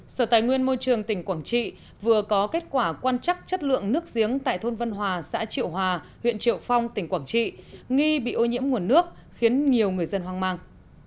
sở tài nguyên môi trường tỉnh quảng trị vừa có kết quả quan chắc chất lượng nước giếng tại thôn vân hòa xã triệu hòa huyện triệu phong tỉnh quảng trị nghi bị ô nhiễm nguồn nước khiến nhiều người dân hoang mang